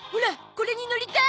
これに乗りたい！